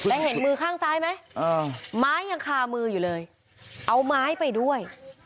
แล้วเห็นมือข้างซ้ายไหมไม้ยังคามืออยู่เลยเอาไม้ไปด้วย